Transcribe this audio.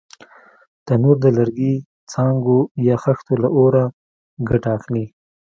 تنور د لرګي، څانګو یا خښتو له اوره ګټه اخلي